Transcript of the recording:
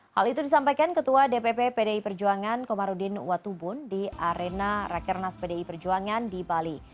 hal itu disampaikan ketua dpp pdi perjuangan komarudin watubun di arena rakernas pdi perjuangan di bali